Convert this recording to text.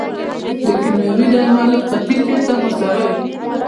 د کیمیاوي درملو قطۍ چیرته غورځوئ؟